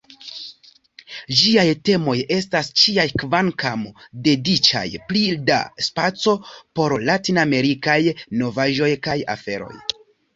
Ĝiaj temoj estas ĉiaj kvankam dediĉas pli da spaco por latinamerikaj novaĵoj kaj aferoj.